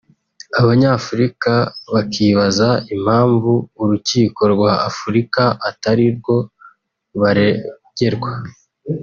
Abanyafurika bakibaza impamvu urukiko rwa Afurika atari rwo baregerwa